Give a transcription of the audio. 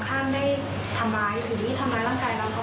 คือมีเรื่องแบบหลังกันมานานแล้ว